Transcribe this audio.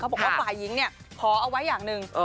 เพราะว่าฝ่ายหญิงเนี่ยพอเอาไว้อย่างนึง